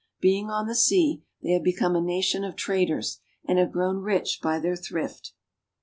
Being on the sea, they have become a nation of traders, and have grown rich by their thrift.